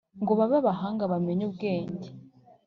Ngo babe abahanga bamenye ubwenge